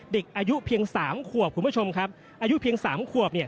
เด็กอายุเพียง๓ขวบคุณผู้ชมครับอายุเพียง๓ขวบ